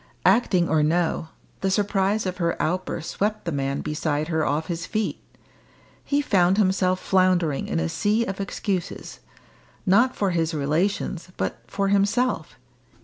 Acting or no, the surprise of her outburst swept the man beside her off his feet. He found himself floundering in a sea of excuses not for his relations, but for himself.